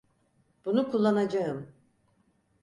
Bunu kullanacağım.